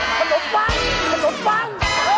ขนมปัง